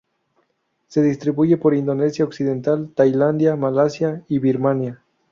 Se distribuye por Indonesia occidental, Tailandia, Malasia y Birmania.